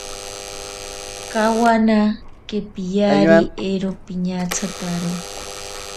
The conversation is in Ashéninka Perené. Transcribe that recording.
Kawana kepiyari ero piñatsararo.